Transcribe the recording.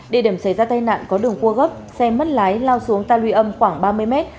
địa điểm xảy ra tai nạn có đường cua gấp xe mất lái lao xuống ta lùi âm khoảng ba mươi mét